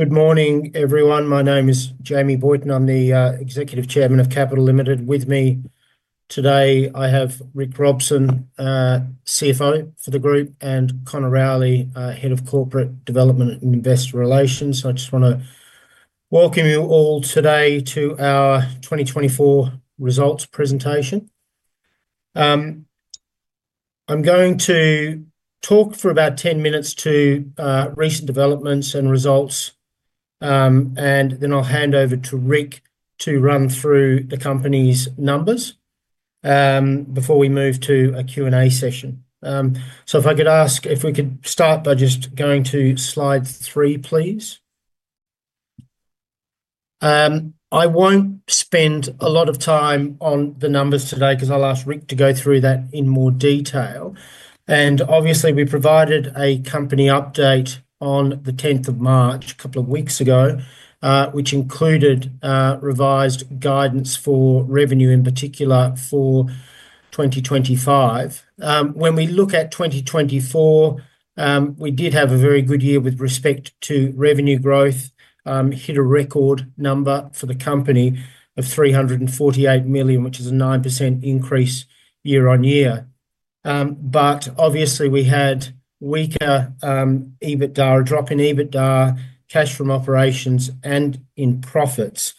Good morning, everyone. My name is Jamie Boynton, I'm the Executive Chairman of Capital Limited. With me today, I have Rick Robson, CFO for the group, and Conor Rowley, Head of Corporate Development and Investor Relations. I just want to welcome you all today to our 2024 results presentation. I'm going to talk for about 10 minutes to recent developments and results, and then I'll hand over to Rick to run through the company's numbers before we move to a Q&A session. If I could ask if we could start by just going to slide three, please. I won't spend a lot of time on the numbers today because I'll ask Rick to go through that in more detail. Obviously, we provided a company update on the 10th of March, a couple of weeks ago, which included revised guidance for revenue, in particular for 2025. When we look at 2024, we did have a very good year with respect to revenue growth, hit a record number for the company of $348 million, which is a 9% increase year on year. Obviously, we had weaker EBITDA, a drop in EBITDA, cash from operations, and in profits.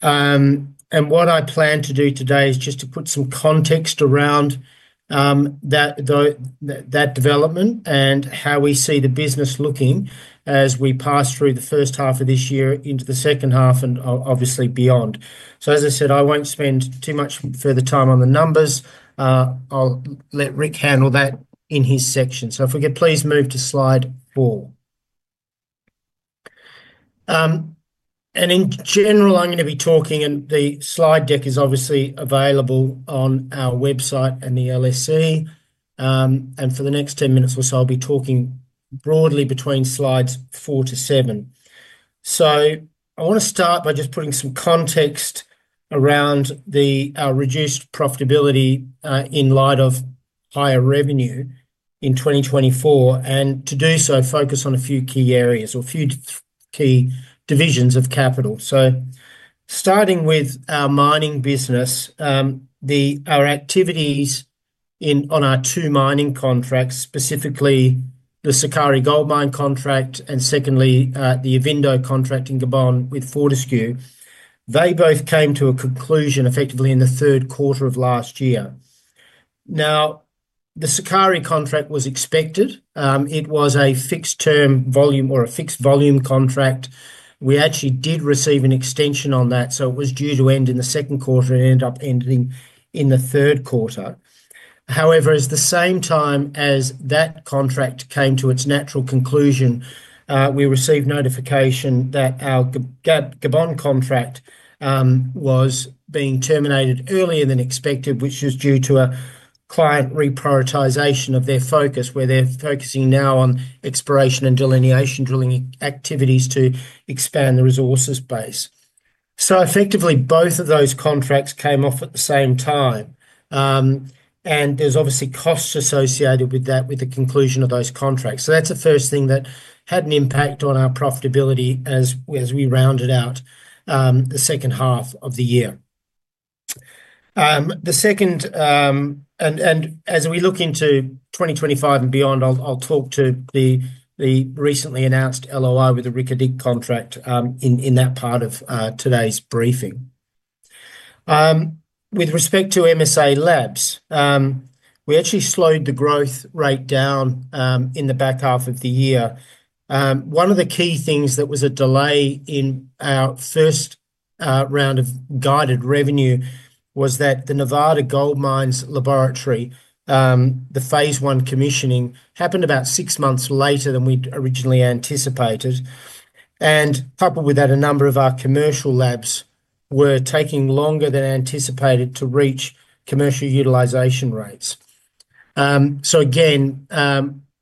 What I plan to do today is just to put some context around that development and how we see the business looking as we pass through the first half of this year into the second half and obviously beyond. As I said, I won't spend too much further time on the numbers. I'll let Rick handle that in his section. If we could please move to slide four. In general, I'm going to be talking, and the slide deck is obviously available on our website and the LSE. For the next 10 minutes or so, I'll be talking broadly between slides four to seven. I want to start by just putting some context around our reduced profitability in light of higher revenue in 2024. To do so, I will focus on a few key areas or a few key divisions of Capital. Starting with our mining business, our activities on our two mining contracts, specifically the Sukari Gold Mine contract and secondly, the Ivindo contract in Gabon with Fortescue, they both came to a conclusion effectively in the third quarter of last year. Now, the Sukari contract was expected. It was a fixed-term volume or a fixed-volume contract. We actually did receive an extension on that. It was due to end in the second quarter and ended up ending in the third quarter. However, at the same time as that contract came to its natural conclusion, we received notification that our Gabon contract was being terminated earlier than expected, which was due to a client reprioritization of their focus, where they're focusing now on exploration and delineation drilling activities to expand the resources base. Effectively, both of those contracts came off at the same time. There are obviously costs associated with that, with the conclusion of those contracts. That is the first thing that had an impact on our profitability as we rounded out the second half of the year. The second, and as we look into 2025 and beyond, I'll talk to the recently announced LOI with the Reko Diq contract in that part of today's briefing. With respect to MSA Labs, we actually slowed the growth rate down in the back half of the year. One of the key things that was a delay in our first round of guided revenue was that the Nevada Gold Mines laboratory, the phase one commissioning, happened about six months later than we originally anticipated. Coupled with that, a number of our commercial labs were taking longer than anticipated to reach commercial utilization rates. Again,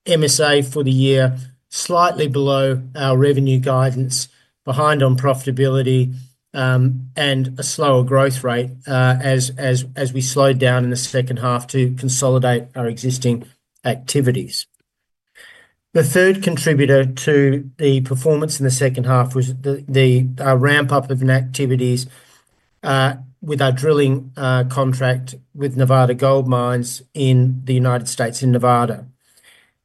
MSA for the year, slightly below our revenue guidance, behind on profitability and a slower growth rate as we slowed down in the second half to consolidate our existing activities. The third contributor to the performance in the second half was the ramp-up of activities with our drilling contract with Nevada Gold Mines in the United States in Nevada.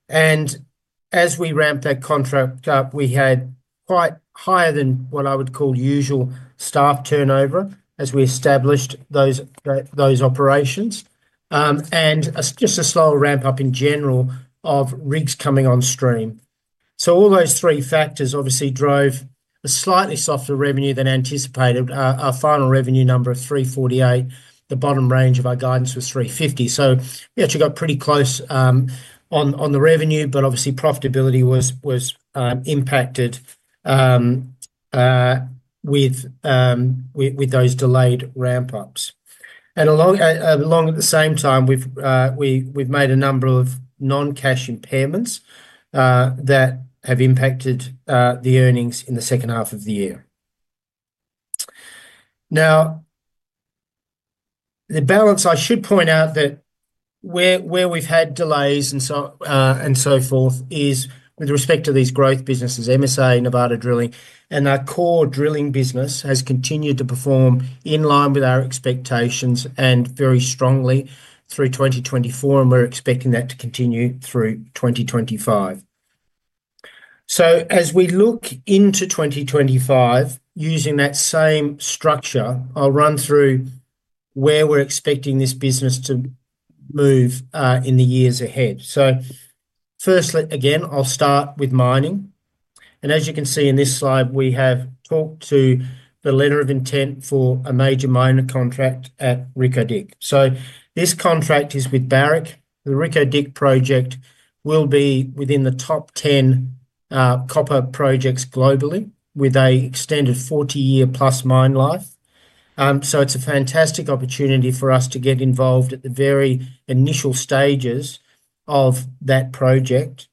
As we ramped that contract up, we had quite higher than what I would call usual staff turnover as we established those operations and just a slower ramp-up in general of rigs coming on stream. All those three factors obviously drove a slightly softer revenue than anticipated. Our final revenue number of $348 million, the bottom range of our guidance was $350 million. We actually got pretty close on the revenue, but obviously profitability was impacted with those delayed ramp-ups. Along at the same time, we've made a number of non-cash impairments that have impacted the earnings in the second half of the year. Now, the balance, I should point out that where we've had delays and so forth is with respect to these growth businesses, MSA, Nevada Drilling, and our core drilling business has continued to perform in line with our expectations and very strongly through 2024, and we're expecting that to continue through 2025. As we look into 2025, using that same structure, I'll run through where we're expecting this business to move in the years ahead. First, again, I'll start with mining. As you can see in this slide, we have talked to the letter of intent for a major mining contract at Reko Diq. This contract is with Barrick. The Reko Diq project will be within the top 10 copper projects globally with an extended 40-year plus mine life. It's a fantastic opportunity for us to get involved at the very initial stages of that project.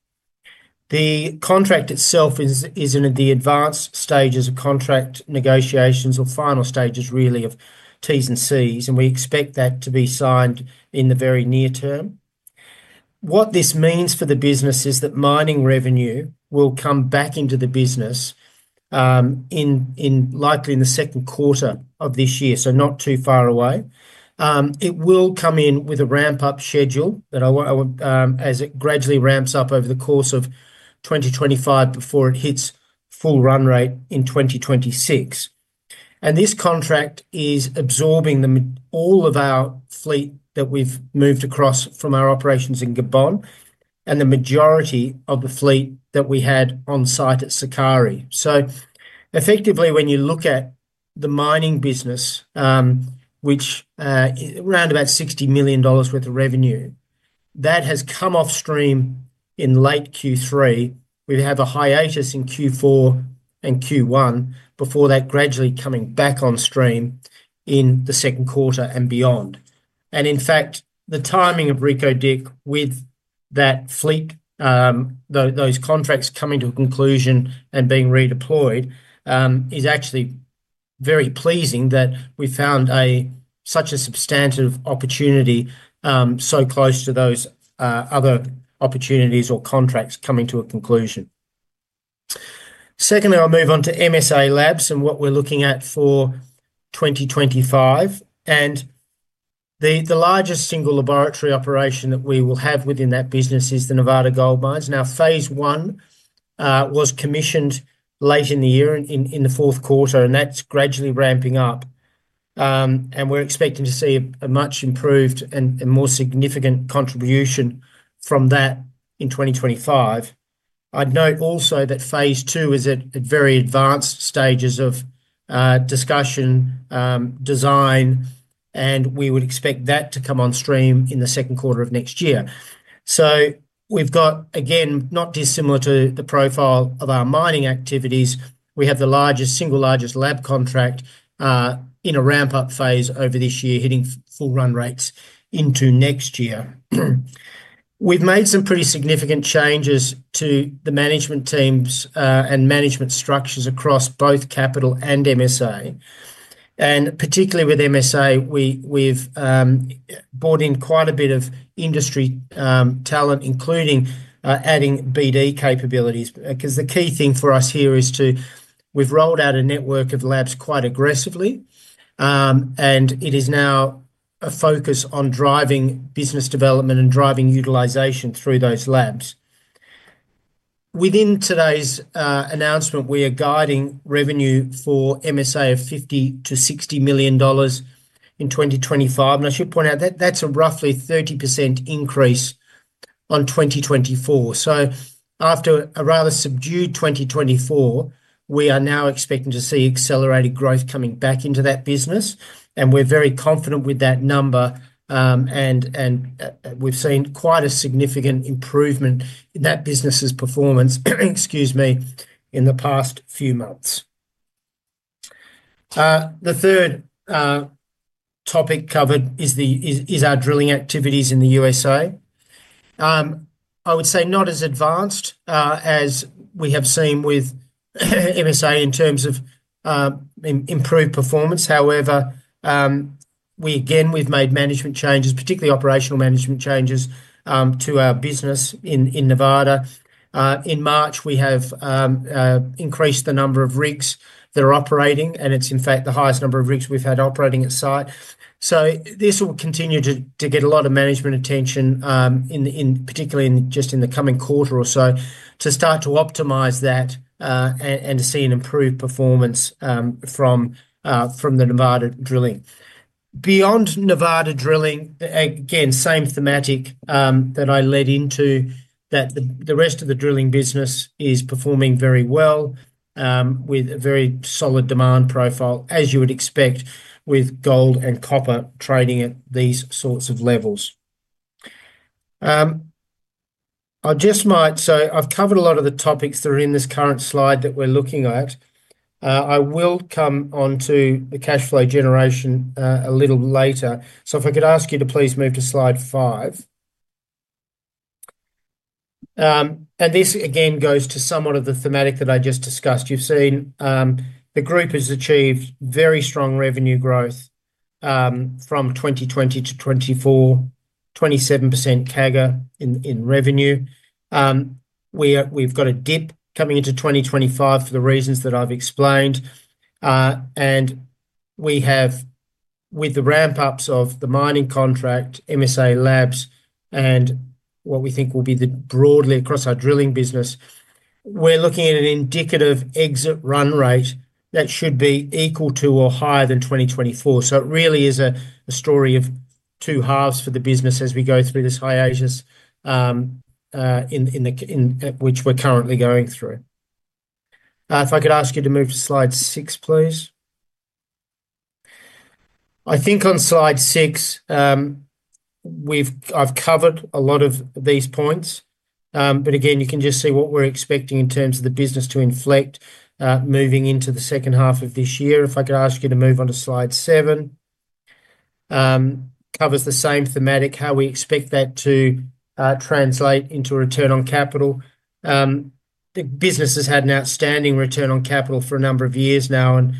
The contract itself is in the advanced stages of contract negotiations or final stages, really, of Ts and Cs, and we expect that to be signed in the very near term. What this means for the business is that mining revenue will come back into the business likely in the second quarter of this year, not too far away. It will come in with a ramp-up schedule as it gradually ramps up over the course of 2025 before it hits full run rate in 2026. This contract is absorbing all of our fleet that we've moved across from our operations in Gabon and the majority of the fleet that we had on site at Sukari. Effectively, when you look at the mining business, which is around about $60 million worth of revenue, that has come off stream in late Q3. We have a hiatus in Q4 and Q1 before that gradually coming back on stream in the second quarter and beyond. In fact, the timing of Reko Diq with that fleet, those contracts coming to a conclusion and being redeployed, is actually very pleasing that we found such a substantive opportunity so close to those other opportunities or contracts coming to a conclusion. Secondly, I'll move on to MSA Labs and what we're looking at for 2025. The largest single laboratory operation that we will have within that business is the Nevada Gold Mines. Now, phase one was commissioned late in the year in the fourth quarter, and that's gradually ramping up. We're expecting to see a much improved and more significant contribution from that in 2025. I'd note also that phase two is at very advanced stages of discussion, design, and we would expect that to come on stream in the second quarter of next year. We have, again, not dissimilar to the profile of our mining activities, the single largest lab contract in a ramp-up phase over this year, hitting full run rates into next year. We've made some pretty significant changes to the management teams and management structures across both Capital and MSA. Particularly with MSA, we've brought in quite a bit of industry talent, including adding BD capabilities. The key thing for us here is we've rolled out a network of labs quite aggressively, and it is now a focus on driving business development and driving utilisation through those labs. Within today's announcement, we are guiding revenue for MSA of $50-$60 million in 2025. I should point out that that's a roughly 30% increase on 2024. After a rather subdued 2024, we are now expecting to see accelerated growth coming back into that business. We are very confident with that number, and we've seen quite a significant improvement in that business's performance, excuse me, in the past few months. The third topic covered is our drilling activities in the U.S.A. I would say not as advanced as we have seen with MSA in terms of improved performance. However, we again, we've made management changes, particularly operational management changes to our business in Nevada. In March, we have increased the number of rigs that are operating, and it's in fact the highest number of rigs we've had operating at site. This will continue to get a lot of management attention, particularly just in the coming quarter or so, to start to optimise that and to see an improved performance from the Nevada drilling. Beyond Nevada drilling, again, same thematic that I led into that the rest of the drilling business is performing very well with a very solid demand profile, as you would expect with gold and copper trading at these sorts of levels. I just might say I've covered a lot of the topics that are in this current slide that we're looking at. I will come on to the cash flow generation a little later. If I could ask you to please move to slide five. This, again, goes to somewhat of the thematic that I just discussed. You've seen the group has achieved very strong revenue growth from 2020 to 2024, 27% CAGR in revenue. We've got a dip coming into 2025 for the reasons that I've explained. With the ramp-ups of the mining contract, MSA Labs, and what we think will be broadly across our drilling business, we're looking at an indicative exit run rate that should be equal to or higher than 2024. It really is a story of two halves for the business as we go through this high ages in which we're currently going through. If I could ask you to move to slide six, please. I think on slide six, I've covered a lot of these points. Again, you can just see what we're expecting in terms of the business to inflect moving into the second half of this year. If I could ask you to move on to slide seven, covers the same thematic, how we expect that to translate into return on capital. The business has had an outstanding return on capital for a number of years now, and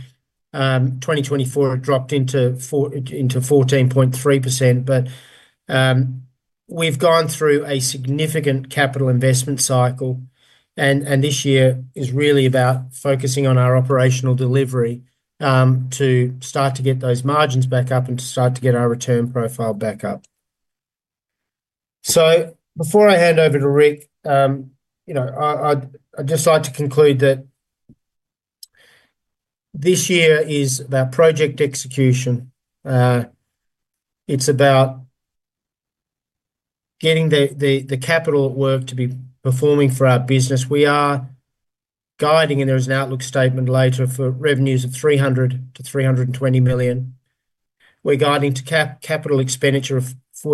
2024 dropped into 14.3%. We have gone through a significant capital investment cycle, and this year is really about focusing on our operational delivery to start to get those margins back up and to start to get our return profile back up. Before I hand over to Rick, I'd just like to conclude that this year is about project execution. It's about getting the capital at work to be performing for our business. We are guiding, and there is an outlook statement later for revenues of $300 million-$320 million. We're guiding to capital expenditure of $45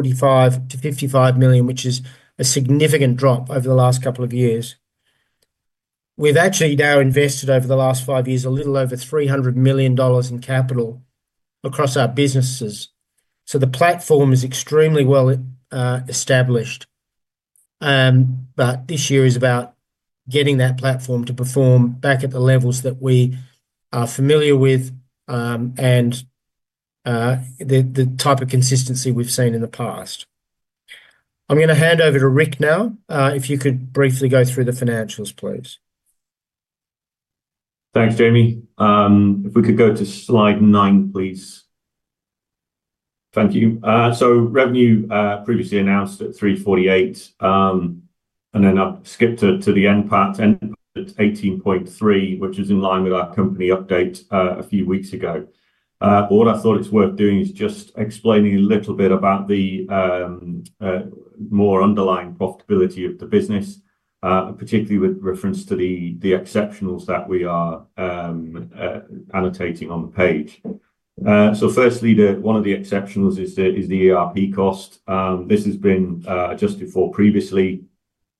million-$55 million, which is a significant drop over the last couple of years. We've actually now invested over the last five years a little over $300 million in capital across our businesses. The platform is extremely well established. This year is about getting that platform to perform back at the levels that we are familiar with and the type of consistency we've seen in the past. I'm going to hand over to Rick now. If you could briefly go through the financials, please. Thanks, Jamie. If we could go to slide nine, please. Thank you. Revenue previously announced at $348 million, and then I've skipped to the end part, ended at $18.3 million, which is in line with our company update a few weeks ago. What I thought it's worth doing is just explaining a little bit about the more underlying profitability of the business, particularly with reference to the exceptionals that we are annotating on the page. Firstly, one of the exceptionals is the ERP cost. This has been adjusted for previously.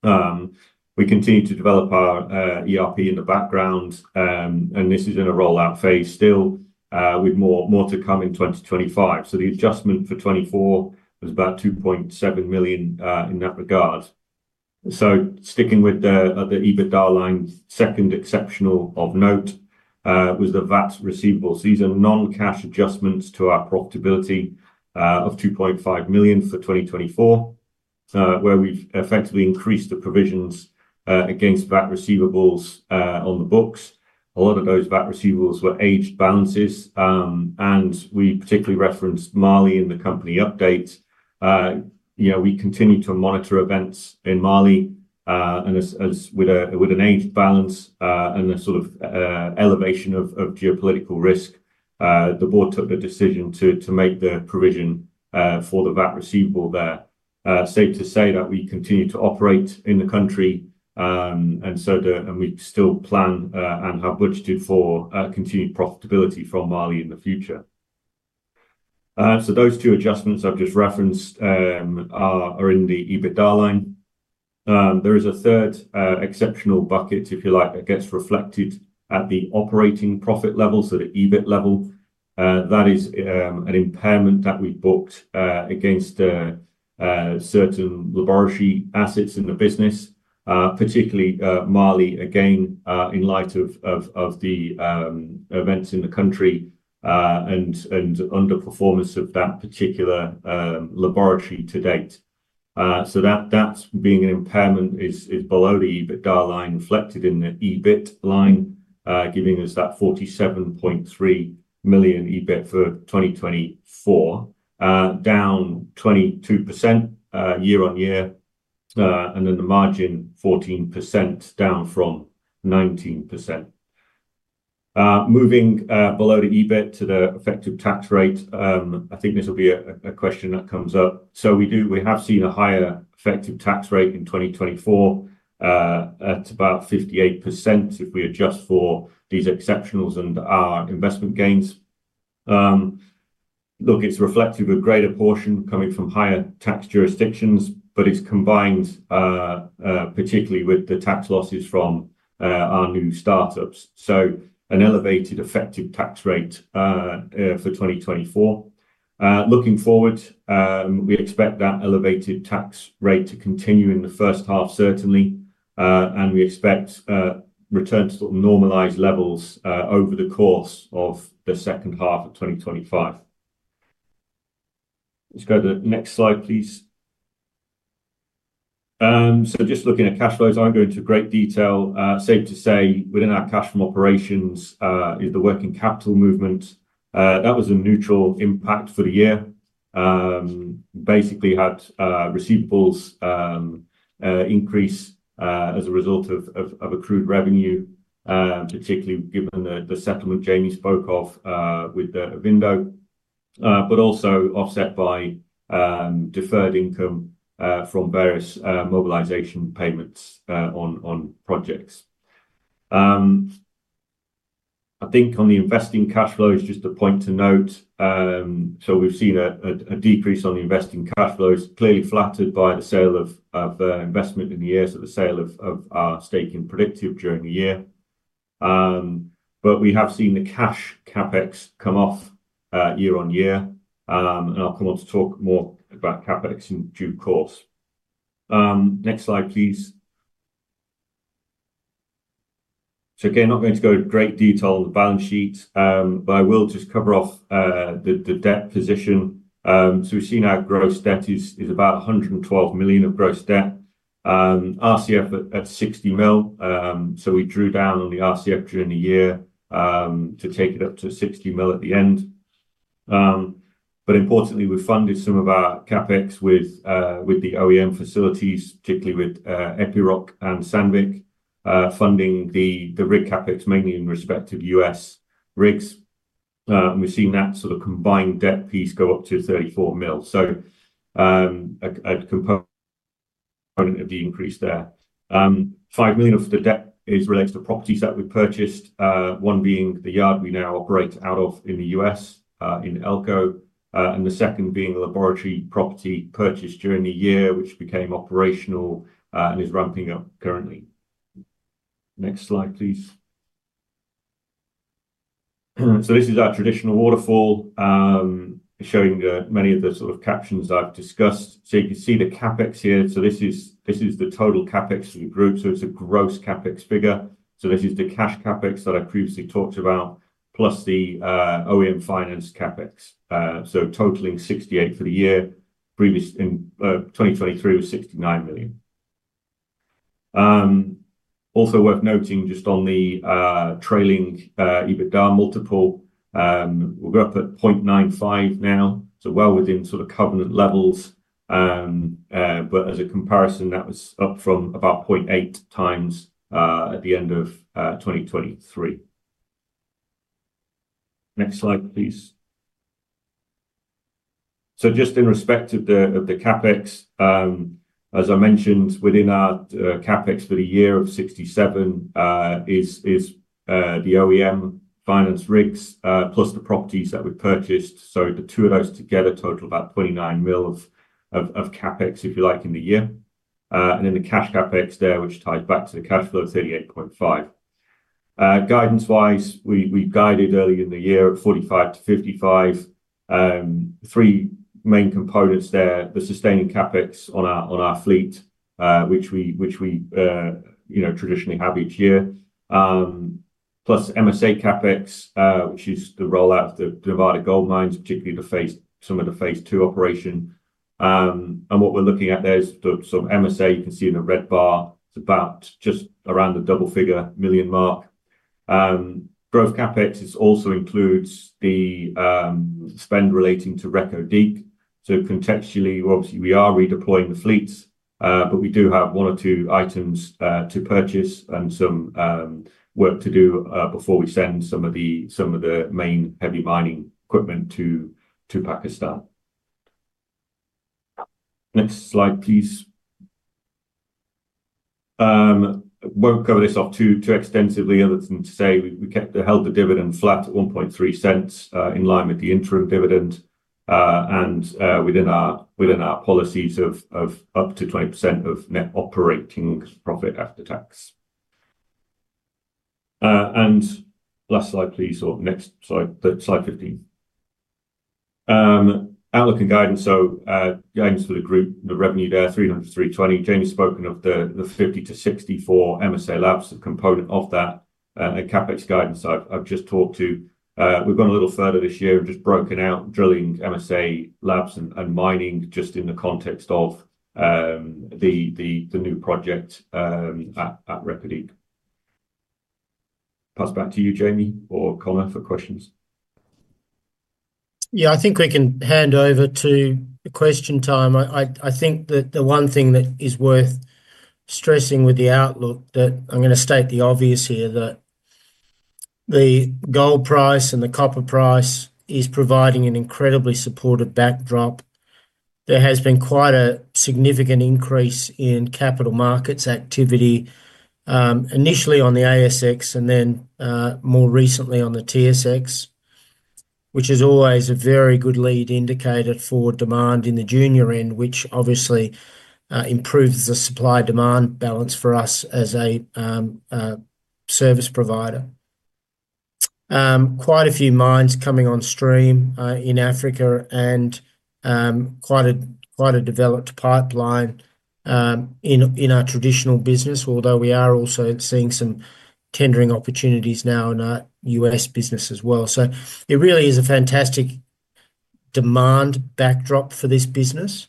We continue to develop our ERP in the background, and this is in a rollout phase still with more to come in 2025. The adjustment for 2024 was about $2.7 million in that regard. Sticking with the EBITDA line, second exceptional of note was the VAT receivables. These are non-cash adjustments to our profitability of $2.5 million for 2024, where we've effectively increased the provisions against VAT receivables on the books. A lot of those VAT receivables were aged balances, and we particularly referenced Mali in the company update. We continue to monitor events in Mali, and with an aged balance and a sort of elevation of geopolitical risk, the board took the decision to make the provision for the VAT receivable there. Safe to say that we continue to operate in the country, and we still plan and have budgeted for continued profitability from Mali in the future. Those two adjustments I've just referenced are in the EBITDA line. There is a third exceptional bucket, if you like, that gets reflected at the operating profit level, so the EBIT level. That is an impairment that we booked against certain laboratory assets in the business, particularly Mali, again, in light of the events in the country and underperformance of that particular laboratory to date. That being an impairment is below the EBITDA line reflected in the EBIT line, giving us that $47.3 million EBIT for 2024, down 22% year on year, and then the margin 14% down from 19%. Moving below the EBIT to the effective tax rate, I think this will be a question that comes up. We have seen a higher effective tax rate in 2024 at about 58% if we adjust for these exceptionals and our investment gains. Look, it's reflected with greater portion coming from higher tax jurisdictions, but it's combined, particularly with the tax losses from our new startups. An elevated effective tax rate for 2024. Looking forward, we expect that elevated tax rate to continue in the first half, certainly, and we expect returns to normalized levels over the course of the second half of 2025. Let's go to the next slide, please. Just looking at cash flows, I won't go into great detail. Safe to say within our cash from operations is the working capital movement. That was a neutral impact for the year. Basically had receivables increase as a result of accrued revenue, particularly given the settlement Jamie spoke of with the Ivindo, but also offset by deferred income from various mobilization payments on projects. I think on the investing cash flows, just a point to note. We've seen a decrease on the investing cash flows, clearly flattered by the sale of investment in the years, the sale of our stake in Predictive during the year. We have seen the cash CapEx come off year on year, and I'll come on to talk more about CapEx in due course. Next slide, please. I'm not going to go into great detail on the balance sheet, but I will just cover off the debt position. We've seen our gross debt is about $112 million of gross debt, RCF at $60 million. We drew down on the RCF during the year to take it up to $60 million at the end. Importantly, we funded some of our CapEx with the OEM facilities, particularly with Epiroc and Sandvik, funding the rig CapEx mainly in respect of US rigs. We've seen that sort of combined debt piece go up to $34 million. A component of the increase there. $5 million of the debt is related to properties that we purchased, one being the yard we now operate out of in the U.S. in Elko, and the second being a laboratory property purchased during the year, which became operational and is ramping up currently. Next slide, please. This is our traditional waterfall showing many of the sort of captions I've discussed. You can see the CapEx here. This is the total CapEx for the group. It is a gross CapEx figure. This is the cash CapEx that I previously talked about, plus the OEM finance CapEx, totaling $68 million for the year. Previous in 2023 was $69 million. Also worth noting just on the trailing EBITDA multiple, we are up at 0.95 now, well within sort of covenant levels. As a comparison, that was up from about 0.8 times at the end of 2023. Next slide, please. Just in respect of the CapEx, as I mentioned, within our CapEx for the year of $67 million is the OEM finance rigs plus the properties that we purchased. The two of those together total about $29 million of CapEx, if you like, in the year. The cash CapEx there, which ties back to the cash flow, is $38.5 million. Guidance-wise, we guided early in the year at $45 million-$55 million. Three main components there: the sustaining CapEx on our fleet, which we traditionally have each year, plus MSA CapEx, which is the rollout of the Nevada Gold Mines, particularly some of the phase two operation. What we're looking at there is some MSA, you can see in the red bar, it's about just around the double figure million mark. Growth CapEx also includes the spend relating to Reko Diq. Contextually, obviously, we are redeploying the fleets, but we do have one or two items to purchase and some work to do before we send some of the main heavy mining equipment to Pakistan. Next slide, please. I won't cover this off too extensively other than to say we held the dividend flat at $0.013 in line with the interim dividend and within our policies of up to 20% of net operating profit after tax. Next slide, slide 15. Outlook and guidance. James, for the group, the revenue there, $300 million-$320 million. Jamie's spoken of the $50 million-$64 million MSA Labs as a component of that. CapEx guidance, I've just talked to. We've gone a little further this year and just broken out drilling, MSA Labs, and mining just in the context of the new project at Reko Diq. Pass back to you, Jamie or Connor, for questions. Yeah, I think we can hand over to the question time. I think that the one thing that is worth stressing with the outlook, that I'm going to state the obvious here, that the gold price and the copper price is providing an incredibly supportive backdrop. There has been quite a significant increase in capital markets activity, initially on the ASX and then more recently on the TSX, which is always a very good lead indicator for demand in the junior end, which obviously improves the supply-demand balance for us as a service provider. Quite a few mines coming on stream in Africa and quite a developed pipeline in our traditional business, although we are also seeing some tendering opportunities now in our US business as well. It really is a fantastic demand backdrop for this business.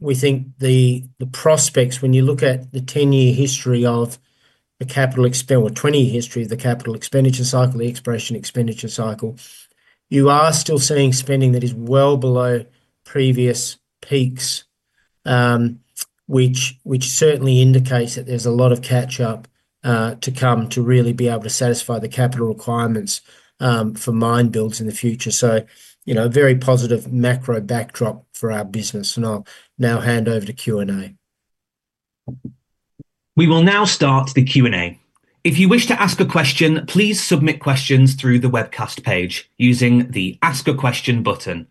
We think the prospects, when you look at the 10-year history of the capital expenditure or 20-year history of the capital expenditure cycle, the exploration expenditure cycle, you are still seeing spending that is well below previous peaks, which certainly indicates that there's a lot of catch-up to come to really be able to satisfy the capital requirements for mine builds in the future. A very positive macro backdrop for our business. I'll now hand over to Q&A. We will now start the Q&A. If you wish to ask a question, please submit questions through the webcast page using the Ask a Question button.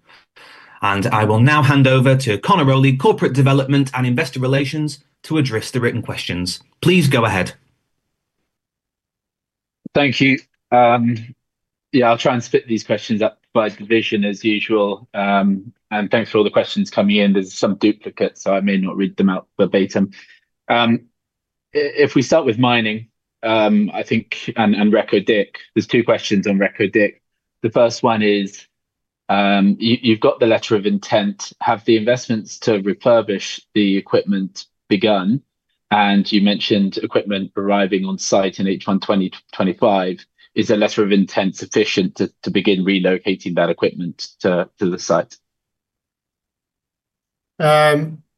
I will now hand over to Connor Rowley, Corporate Development and Investor Relations, to address the written questions. Please go ahead. Thank you. Yeah, I'll try and split these questions up by division as usual. Thanks for all the questions coming in. There's some duplicates, so I may not read them out verbatim. If we start with mining, I think, and Reko Diq, there's two questions on Reko Diq. The first one is, you've got the letter of intent. Have the investments to refurbish the equipment begun? You mentioned equipment arriving on site in H1 2025. Is a letter of intent sufficient to begin relocating that equipment to the site?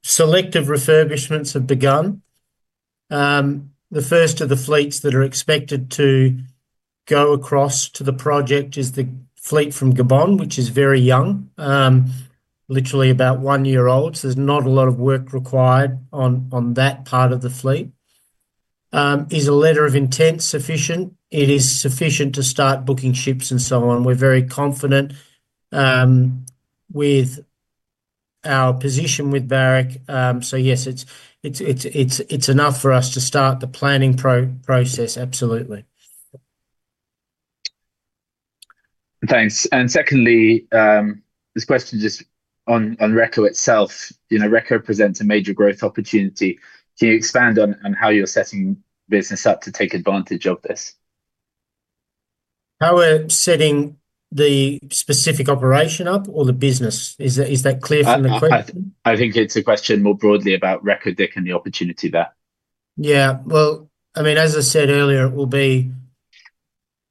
Selective refurbishments have begun. The first of the fleets that are expected to go across to the project is the fleet from Gabon, which is very young, literally about one year old. There is not a lot of work required on that part of the fleet. Is a letter of intent sufficient? It is sufficient to start booking ships and so on. We are very confident with our position with Barrick. Yes, it is enough for us to start the planning process, absolutely. Thanks. Secondly, this question is just on Reko itself. Reko presents a major growth opportunity. Can you expand on how you are setting business up to take advantage of this? How we are setting the specific operation up or the business? Is that clear from the question? I think it is a question more broadly about Reko Diq and the opportunity there. Yeah. As I said earlier, it will be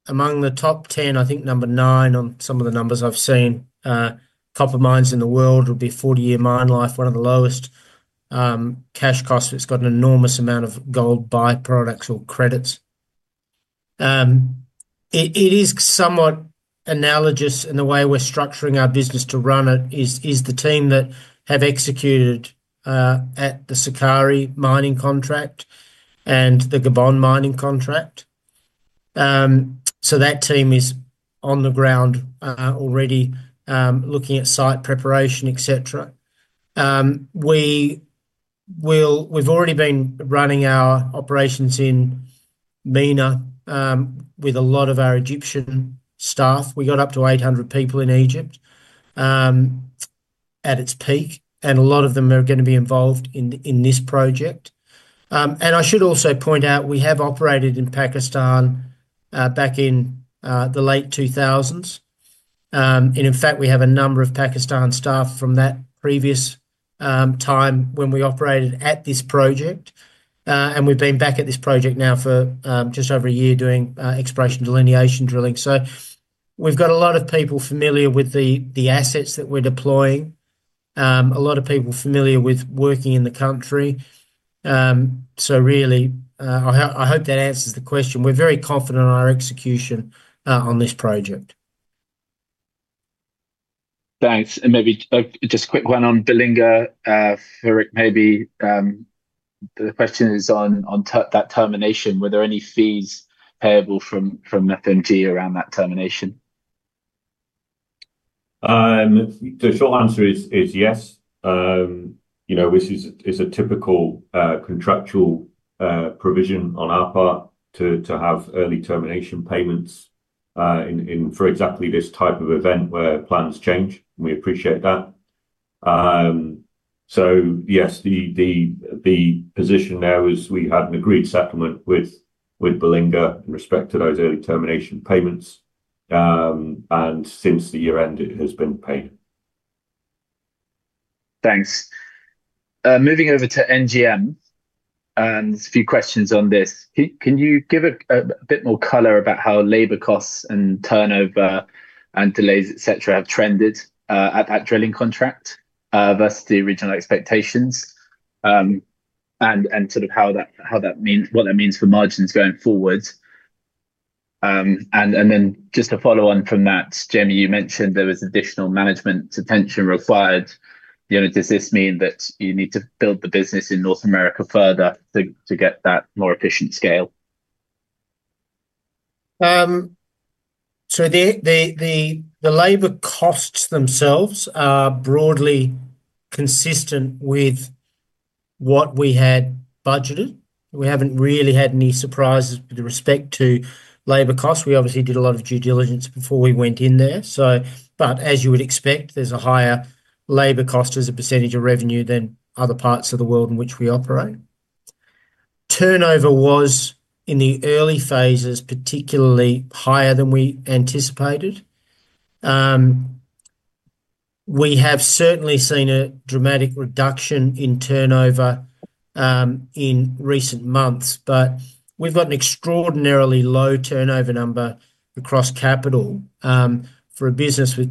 among the top 10, I think number nine on some of the numbers I've seen. Copper mines in the world will be 40-year mine life, one of the lowest cash costs, it's got an enormous amount of gold byproducts or credits. It is somewhat analogous in the way we're structuring our business to run it is the team that have executed at the Sukari mining contract and the Gabon mining contract. That team is on the ground already looking at site preparation, etc. We've already been running our operations in MENA with a lot of our Egyptian staff. We got up to 800 people in Egypt at its peak, and a lot of them are going to be involved in this project. I should also point out we have operated in Pakistan back in the late 2000s. In fact, we have a number of Pakistan staff from that previous time when we operated at this project. We have been back at this project now for just over a year doing exploration delineation drilling. We have a lot of people familiar with the assets that we are deploying, a lot of people familiar with working in the country. I hope that answers the question. We are very confident in our execution on this project. Thanks. Maybe just a quick one on Belinga. The question is on that termination. Were there any fees payable from FMG around that termination? The short answer is yes, which is a typical contractual provision on our part to have early termination payments for exactly this type of event where plans change. We appreciate that. Yes, the position there was we had an agreed settlement with Belinga in respect to those early termination payments. Since the year-end, it has been paid. Thanks. Moving over to NGM, and a few questions on this. Can you give a bit more color about how labor costs and turnover and delays, etc., have trended at that drilling contract versus the original expectations and sort of what that means for margins going forward? Then just a follow-on from that, Jamie, you mentioned there was additional management attention required. Does this mean that you need to build the business in North America further to get that more efficient scale? The labor costs themselves are broadly consistent with what we had budgeted. We haven't really had any surprises with respect to labor costs. We obviously did a lot of due diligence before we went in there. As you would expect, there's a higher labor cost as a percentage of revenue than other parts of the world in which we operate. Turnover was, in the early phases, particularly higher than we anticipated. We have certainly seen a dramatic reduction in turnover in recent months, but we've got an extraordinarily low turnover number across Capital. For a business with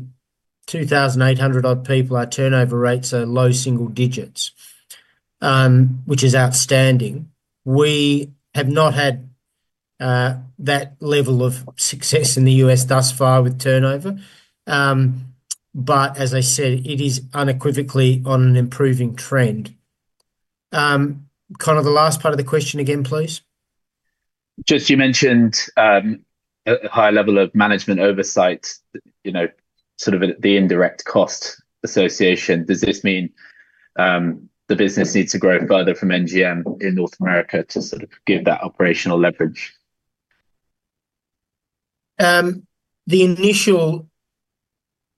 2,800-odd people, our turnover rates are low single digits, which is outstanding. We have not had that level of success in the U.S. thus far with turnover. As I said, it is unequivocally on an improving trend. Connor, the last part of the question again, please. Just you mentioned a high level of management oversight, sort of the indirect cost association. Does this mean the business needs to grow further from NGM in North America to sort of give that operational leverage? The initial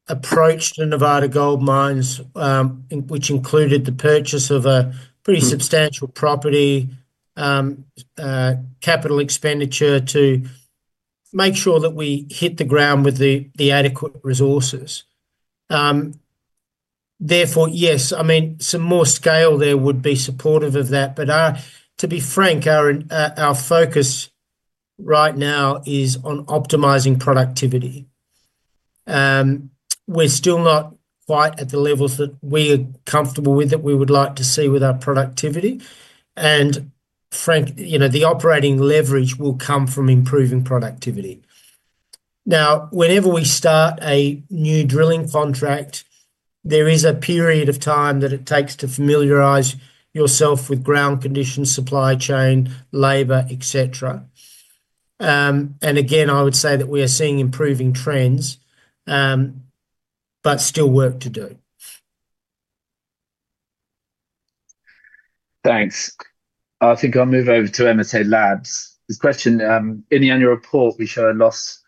approach to Nevada Gold Mines, which included the purchase of a pretty substantial property, capital expenditure to make sure that we hit the ground with the adequate resources. Therefore, yes, I mean, some more scale there would be supportive of that. To be frank, our focus right now is on optimizing productivity. We're still not quite at the levels that we are comfortable with that we would like to see with our productivity. Frankly, the operating leverage will come from improving productivity. Now, whenever we start a new drilling contract, there is a period of time that it takes to familiarize yourself with ground conditions, supply chain, labor, etc. I would say that we are seeing improving trends, but still work to do. Thanks. I think I'll move over to MSA Labs. This question, in the annual report, we show a loss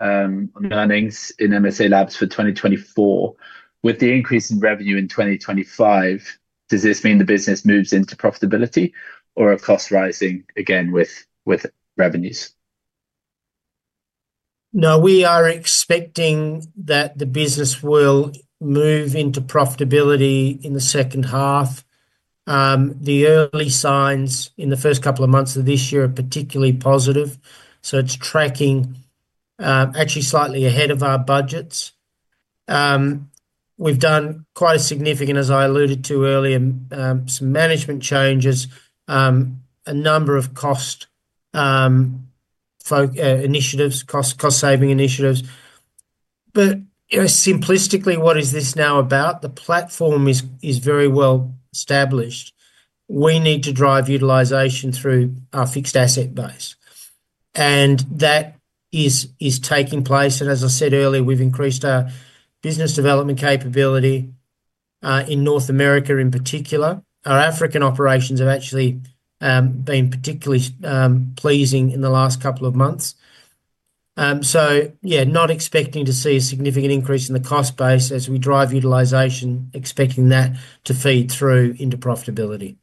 on earnings in MSA Labs for 2024. With the increase in revenue in 2025, does this mean the business moves into profitability or a cost rising again with revenues? No, we are expecting that the business will move into profitability in the second half. The early signs in the first couple of months of this year are particularly positive. It is tracking actually slightly ahead of our budgets. We have done quite a significant, as I alluded to earlier, some management changes, a number of cost initiatives, cost-saving initiatives. Simplistically, what is this now about? The platform is very well established. We need to drive utilization through our fixed asset base. That is taking place. As I said earlier, we have increased our business development capability in North America in particular. Our African operations have actually been particularly pleasing in the last couple of months. Yeah, not expecting to see a significant increase in the cost base as we drive utilization, expecting that to feed through into profitability.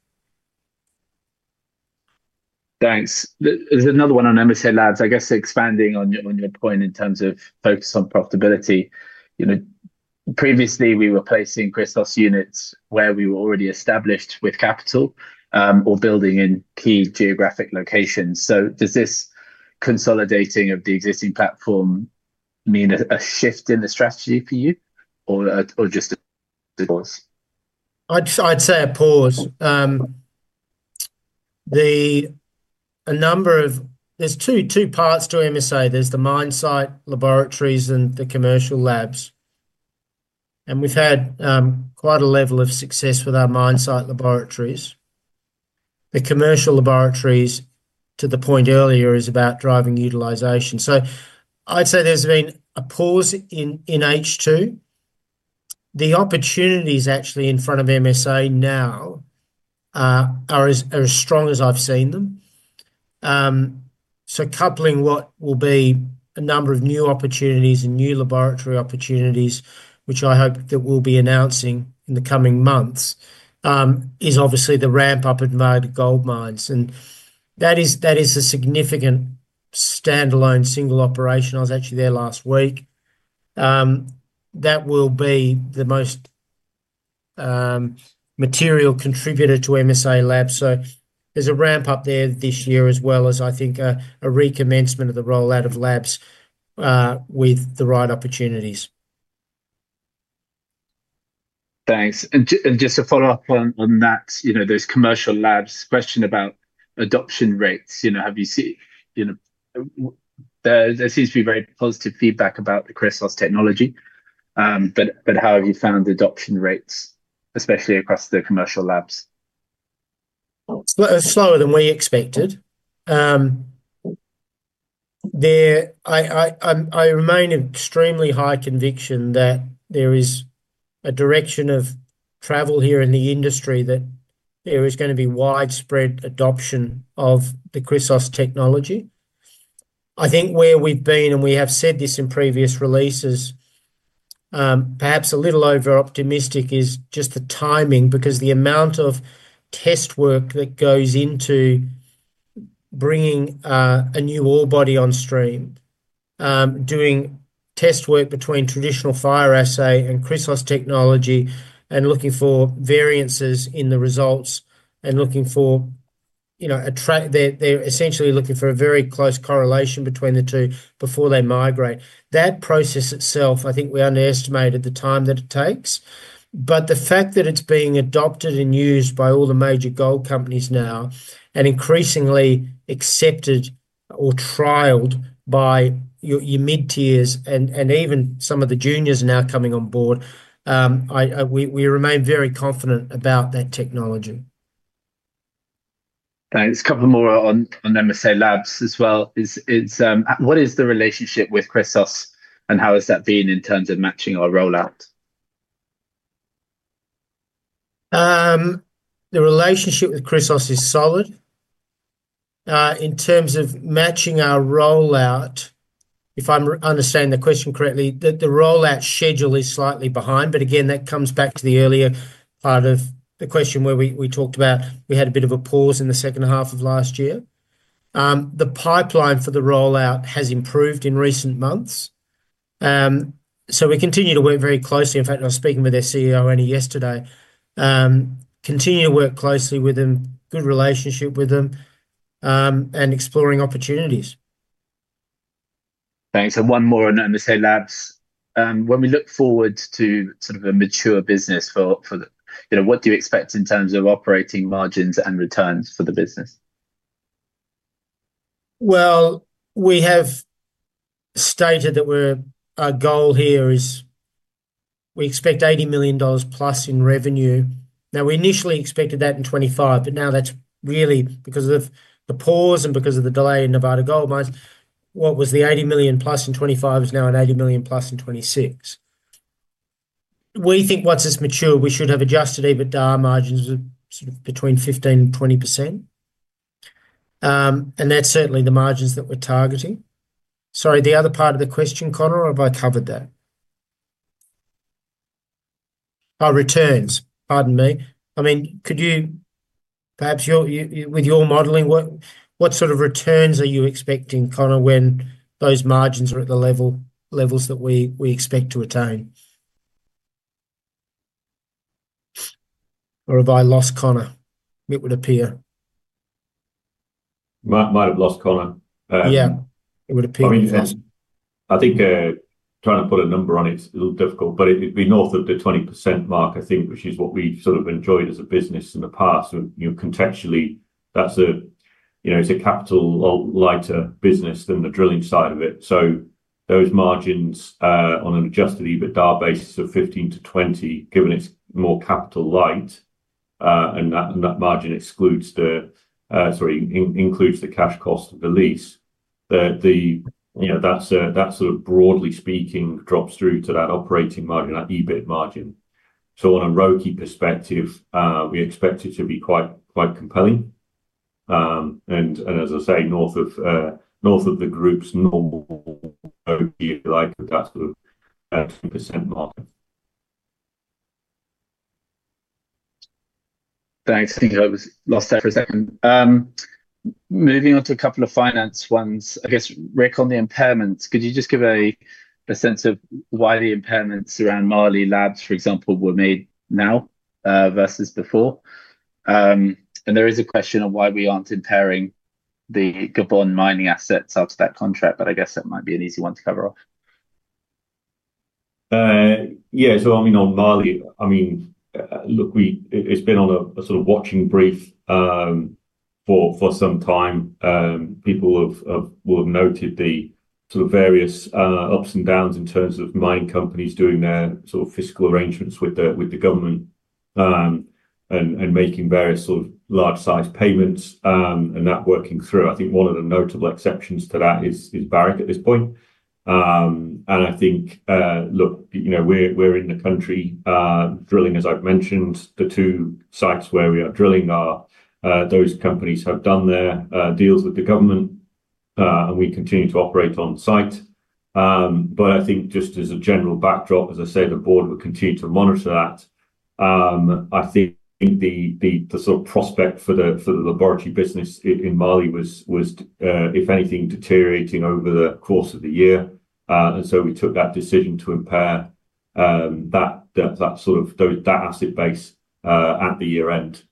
Thanks. There's another one on MSA Labs. I guess expanding on your point in terms of focus on profitability. Previously, we were placing Chrysos units where we were already established with Capital or building in key geographic locations. Does this consolidating of the existing platform mean a shift in the strategy for you or just a pause? I'd say a pause. There's two parts to MSA. There's the mine site laboratories, and the commercial labs. We've had quite a level of success with our mine site laboratories. The commercial laboratories, to the point earlier, is about driving utilization. I'd say there's been a pause in H2. The opportunities actually in front of MSA now are as strong as I've seen them. Coupling what will be a number of new opportunities and new laboratory opportunities, which I hope that we'll be announcing in the coming months, is obviously the ramp-up at Nevada Gold Mines. That is a significant standalone single operation. I was actually there last week. That will be the most material contributor to MSA Labs. There's a ramp-up there this year as well as, I think, a recommencement of the rollout of labs with the right opportunities. Thanks. Just to follow up on that, there's a commercial labs question about adoption rates. Have you seen there seems to be very positive feedback about the Chrysos technology. How have you found adoption rates, esp ecially across the commercial labs? Slower than we expected. I remain in extremely high conviction that there is a direction of travel here in the industry that there is going to be widespread adoption of the Chrysos technology. I think where we've been, and we have said this in previous releases, perhaps a little overoptimistic is just the timing because the amount of test work that goes into bringing a new ore body on stream, doing test work between traditional fire assay and Chrysos technology, and looking for variances in the results, and looking for they're essentially looking for a very close correlation between the two before they migrate. That process itself, I think we underestimated the time that it takes. The fact that it's being adopted and used by all the major gold companies now and increasingly accepted or trialed by your mid-tiers and even some of the juniors now coming on board, we remain very confident about that technology. Thanks. A couple more on MSA Labs as well. What is the relationship with Chrysos and how has that been in terms of matching our rollout? The relationship with Christos is solid. In terms of matching our rollout, if I'm understanding the question correctly, the rollout schedule is slightly behind. That comes back to the earlier part of the question where we talked about we had a bit of a pause in the second half of last year. The pipeline for the rollout has improved in recent months. We continue to work very closely. In fact, I was speaking with their CEO only yesterday. Continue to work closely with them, good relationship with them, and exploring opportunities. Thanks. One more on MSA Labs. When we look forward to sort of a mature business, what do you expect in terms of operating margins and returns for the business? We have stated that our goal here is we expect $80 million plus in revenue. We initially expected that in 2025, but now that's really because of the pause and because of the delay in Nevada Gold Mines. What was the $80 million plus in 2025 is now an $80 million plus in 2026. We think once it's mature, we should have adjusted even our margins between 15-20%. That's certainly the margins that we're targeting. Sorry, the other part of the question, Connor, or have I covered that? Oh, returns, pardon me. I mean, could you perhaps with your modeling, what sort of returns are you expecting, Connor, when those margins are at the levels that we expect to attain? Or have I lost Connor? It would appear. Might have lost Connor. Yeah. It would appear that. I think trying to put a number on it's a little difficult, but it'd be north of the 20% mark, I think, which is what we sort of enjoyed as a business in the past. Contextually, that's a capital-lighter business than the drilling side of it. Those margins on an adjusted EBITDA basis of 15%-20%, given it's more capital-light, and that margin includes the cash cost of the lease, that sort of broadly speaking drops through to that operating margin, that EBIT margin. On a ROCE perspective, we expect it to be quite compelling. As I say, north of the group's normal ROCE likelihood, that's the 10% mark. Thanks. I think I was lost for a second. Moving on to a couple of finance ones. I guess, Rick, on the impairments, could you just give a sense of why the impairments around Marley Labs, for example, were made now versus before? There is a question of why we aren't impairing the Gabon mining assets after that contract, but I guess that might be an easy one to cover off. Yeah. On Marley, I mean, look, it's been on a sort of watching brief for some time. People will have noted the sort of various ups and downs in terms of mining companies doing their sort of fiscal arrangements with the government and making various large-sized payments and that working through. I think one of the notable exceptions to that is Barrick at this point. I think, look, we're in the country drilling, as I've mentioned. The two sites where we are drilling are those companies have done their deals with the government, and we continue to operate on site. I think just as a general backdrop, as I say, the board will continue to monitor that. I think the sort of prospect for the laboratory business in Mali was, if anything, deteriorating over the course of the year. We took that decision to impair that sort of asset base at the year-end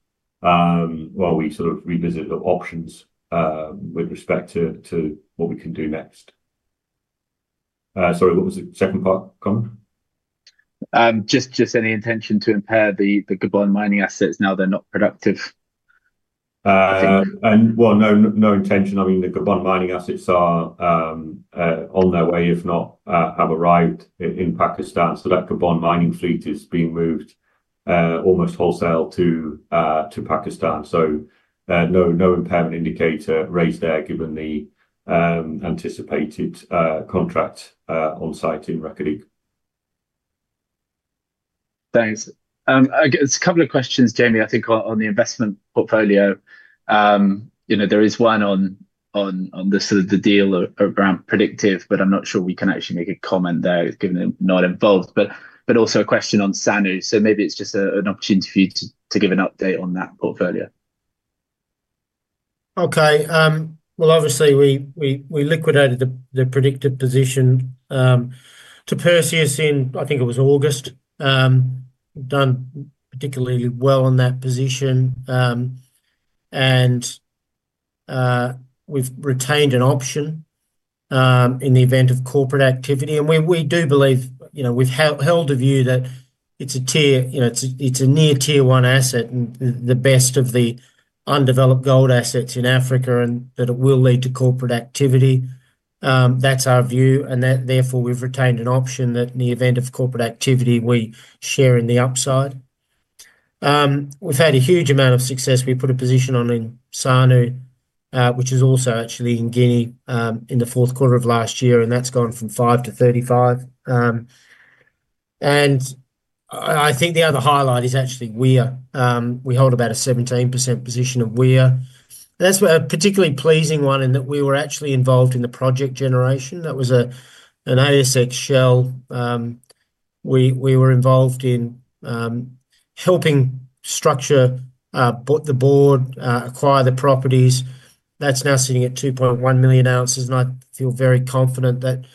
while we sort of revisit the options with respect to what we can do next. Sorry, what was the second part, Connor? Just any intention to impair the Gabon mining assets now they're not productive? No intention. I mean, the Gabon mining assets are on their way, if not have arrived in Pakistan. That Gabon mining fleet is being moved almost wholesale to Pakistan. No impairment indicator raised there given the anticipated contract on site in Reko Diq. Thanks. A couple of questions, Jamie, I think, on the investment portfolio. There is one on the sort of the deal around Predictive, but I'm not sure we can actually make a comment there given they're not involved. Also a question on Sanu. Maybe it's just an opportunity for you to give an update on that portfolio. Okay. Obviously, we liquidated the Predictive position to Perseus in, I think it was August. We've done particularly well on that position. We've retained an option in the event of corporate activity. We do believe we've held a view that it's a near tier one asset and the best of the undeveloped gold assets in Africa and that it will lead to corporate activity. That's our view. Therefore, we've retained an option that in the event of corporate activity, we share in the upside. We've had a huge amount of success. We put a position on in Sanu, which is also actually in Guinea in the fourth quarter of last year, and that's gone from 5 to 35. I think the other highlight is actually Wia. We hold about a 17% position of Wia. That's a particularly pleasing one in that we were actually involved in the project generation. That was an ASX shell. We were involved in helping structure the board, acquire the properties. That's now sitting at 2.1 million ounces. I feel very confident that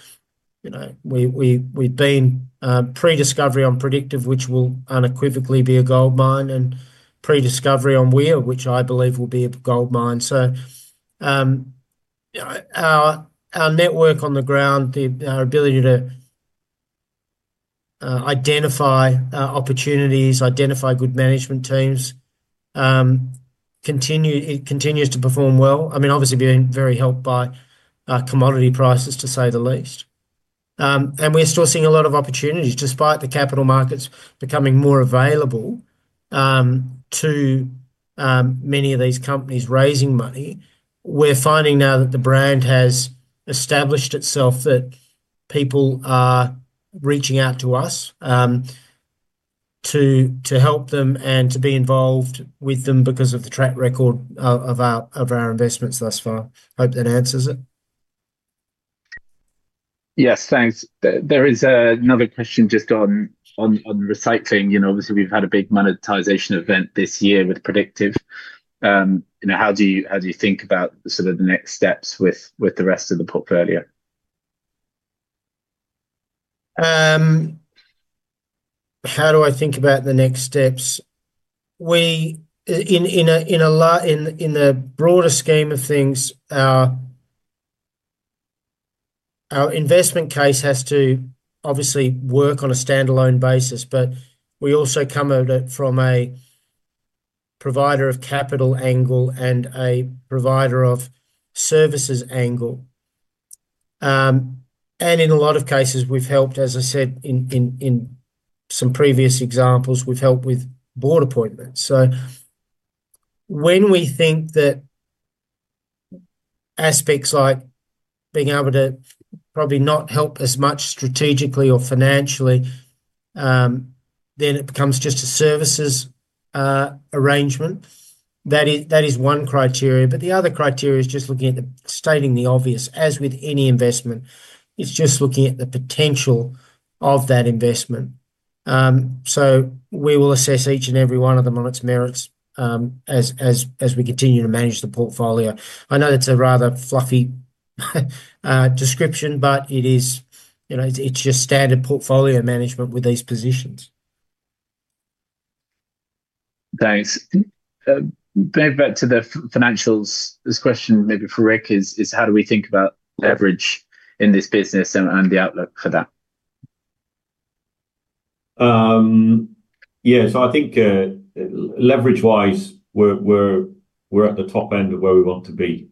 we've been pre-discovery on Predictive, which will unequivocally be a gold mine, and pre-discovery on Wia, which I believe will be a gold mine. Our network on the ground, our ability to identify opportunities, identify good management teams, continues to perform well. I mean, obviously, being very helped by commodity prices, to say the least. We're still seeing a lot of opportunities despite the capital markets becoming more available to many of these companies raising money. We're finding now that the brand has established itself that people are reaching out to us to help them and to be involved with them because of the track record of our investments thus far. Hope that answers it. Yes. Thanks. There is another question just on recycling. Obviously, we've had a big monetization event this year with Predictive. How do you think about sort of the next steps with the rest of the portfolio? How do I think about the next steps? In a broader scheme of things, our investment case has to obviously work on a standalone basis, but we also come at it from a provider of capital angle and a provider of services angle. In a lot of cases, we've helped, as I said in some previous examples, we've helped with board appointments. When we think that aspects like being able to probably not help as much strategically or financially, it becomes just a services arrangement. That is one criteria. The other criteria is just looking at stating the obvious. As with any investment, it's just looking at the potential of that investment. We will assess each and every one of them on its merits as we continue to manage the portfolio. I know it's a rather fluffy description, but it's just standard portfolio management with these positions. Thanks. Going back to the financials, this question maybe for Rick is, how do we think about leverage in this business and the outlook for that? Yeah. I think leverage-wise, we're at the top end of where we want to be,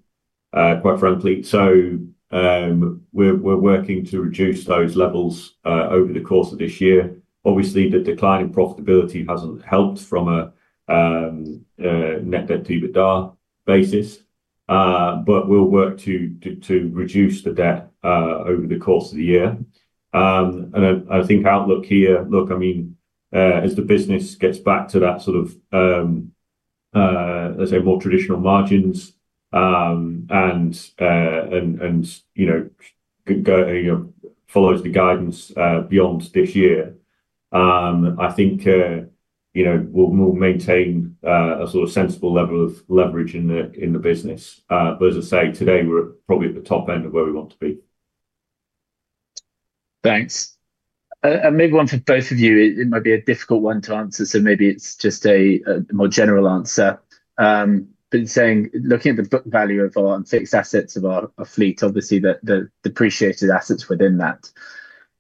quite frankly. We're working to reduce those levels over the course of this year. Obviously, the decline in profitability hasn't helped from a net debt to EBITDA basis. We'll work to reduce the debt over the course of the year. I think outlook here, look, I mean, as the business gets back to that sort of, let's say, more traditional margins and follows the guidance beyond this year, I think we'll maintain a sort of sensible level of leverage in the business. As I say, today, we're probably at the top end of where we want to be. Thanks. Maybe one for both of you. It might be a difficult one to answer, so maybe it's just a more general answer. Looking at the book value of our fixed assets of our fleet, obviously, the depreciated assets within that.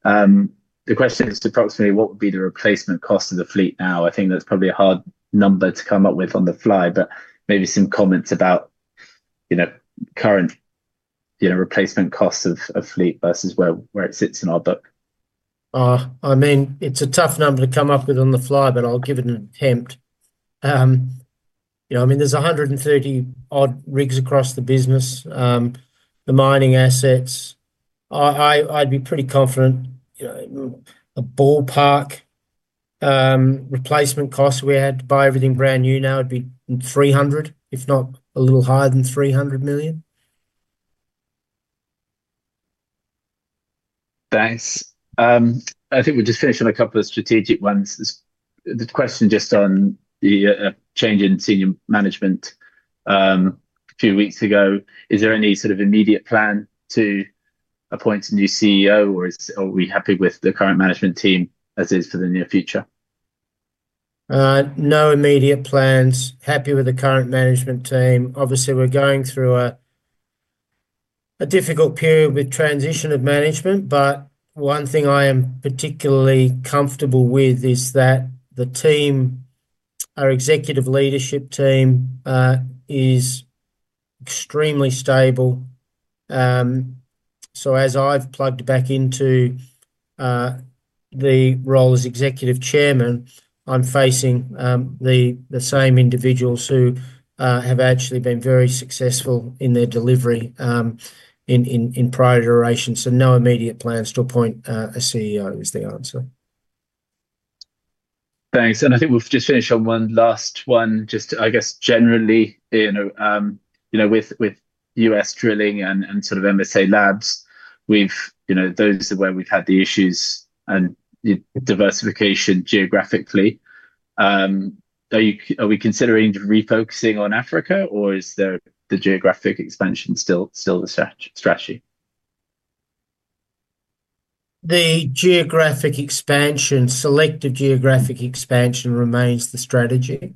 The question is approximately what would be the replacement cost of the fleet now? I think that's probably a hard number to come up with on the fly, but maybe some comments about current replacement costs of fleet versus where it sits in our book. I mean, it's a tough number to come up with on the fly, but I'll give it an attempt. I mean, there's 130-odd rigs across the business, the mining assets. I'd be pretty confident a ballpark replacement cost if we had to buy everything brand new now would be $300 million, if not a little higher than $300 million. Thanks. I think we're just finishing a couple of strategic ones. The question just on the change in senior management a few weeks ago. Is there any sort of immediate plan to appoint a new CEO, or are we happy with the current management team as is for the near future? No immediate plans. Happy with the current management team. Obviously, we're going through a difficult period with transition of management, but one thing I am particularly comfortable with is that the team, our executive leadership team, is extremely stable. As I've plugged back into the role as Executive Chairman, I'm facing the same individuals who have actually been very successful in their delivery in prior iterations. No immediate plans to appoint a CEO is the answer. Thanks. I think we've just finished on one last one, just I guess generally, with US drilling and sort of MSA Labs, those are where we've had the issues and diversification geographically. Are we considering refocusing on Africa, or is the geographic expansion still the strategy? The geographic expansion, selective geographic expansion remains the strategy.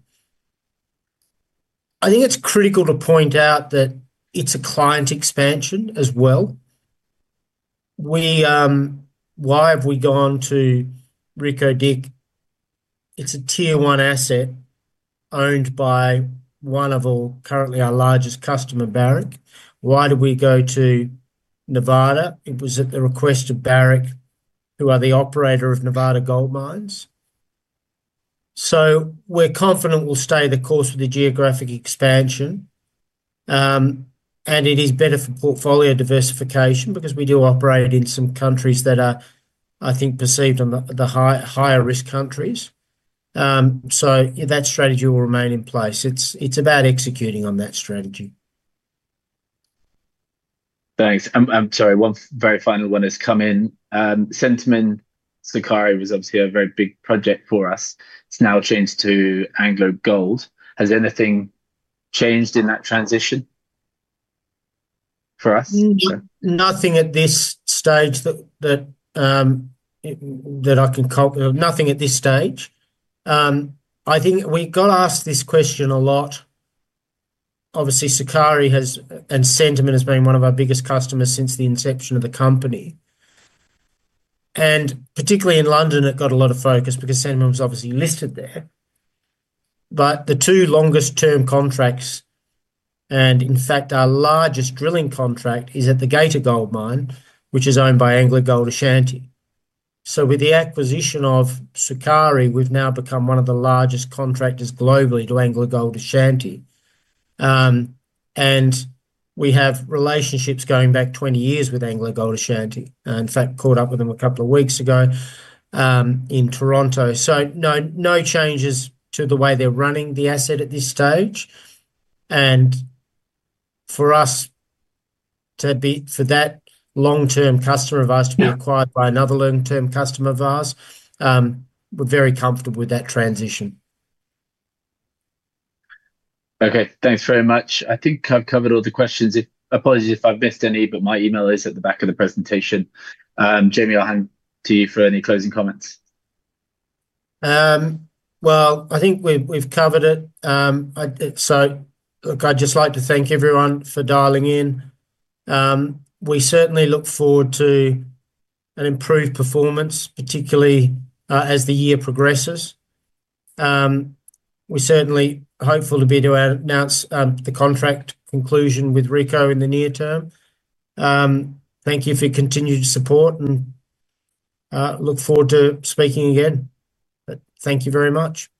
I think it's critical to point out that it's a client expansion as well. Why have we gone to Reko Diq? It's a tier one asset owned by one of currently our largest customers, Barrick. Why did we go to Nevada? It was at the request of Barrick, who are the operator of Nevada Gold Mines. We're confident we'll stay the course with the geographic expansion. It is better for portfolio diversification because we do operate in some countries that are, I think, perceived on the higher risk countries. That strategy will remain in place. It's about executing on that strategy. Thanks. I'm sorry. One very final one has come in. Centamin Sukari was obviously a very big project for us. It's now changed to AngloGold. Has anything changed in that transition for us? Nothing at this stage that I can—nothing at this stage. I think we got asked this question a lot. Obviously, Sukari and Centamin have been one of our biggest customers since the inception of the company. Particularly in London, it got a lot of focus because Centamin was obviously listed there. The two longest-term contracts and, in fact, our largest drilling contract is at the Geita Gold Mine, which is owned by AngloGold Ashanti. With the acquisition of Sukari, we have now become one of the largest contractors globally to AngloGold Ashanti. We have relationships going back 20 years with AngloGold Ashanti. In fact, caught up with them a couple of weeks ago in Toronto. No changes to the way they are running the asset at this stage. For us to be—for that long-term customer of ours to be acquired by another long-term customer of ours, we are very comfortable with that transition. Okay. Thanks very much. I think I have covered all the questions. Apologies if I have missed any, but my email is at the back of the presentation. Jamie, I will hand to you for any closing comments. I think we have covered it. I would just like to thank everyone for dialing in. We certainly look forward to an improved performance, particularly as the year progresses. We are certainly hopeful to be able to announce the contract conclusion with Reko in the near term. Thank you for your continued support, and look forward to speaking again. Thank you very much.